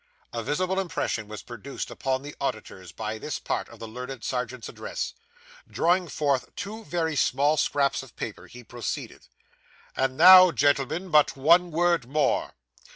A visible impression was produced upon the auditors by this part of the learned Serjeant's address. Drawing forth two very small scraps of paper, he proceeded 'And now, gentlemen, but one word more.